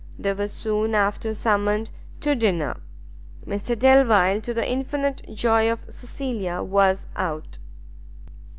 They were soon after summoned to dinner. Mr Delvile, to the infinite joy of Cecilia, was out.